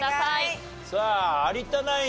さあ有田ナイン